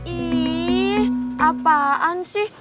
ih apaan sih